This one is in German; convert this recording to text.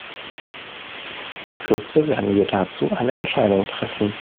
In Kürze werden wir dazu eine Entscheidung treffen.